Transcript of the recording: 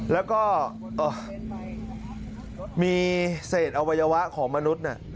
แล้วก็มีเศษอวัยวะของมนุษย์